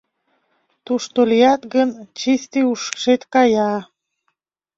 Тушто лият гын, чисти ушет кая.